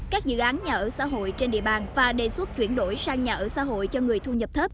các dự án nhà ở xã hội trên địa bàn và đề xuất chuyển đổi sang nhà ở xã hội cho người thu nhập thấp